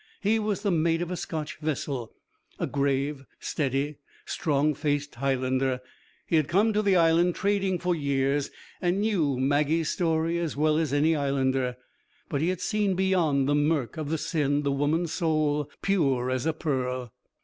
He was the mate of a Scotch vessel, a grave, steady, strong faced Highlander. He had come to the Island trading for years, and knew Maggie's story as well as any Islander. But he had seen beyond the mirk of the sin the woman's soul pure as a pearl.